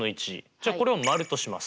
じゃあこれを○とします。